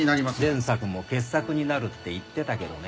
前作も傑作になるって言ってたけどね。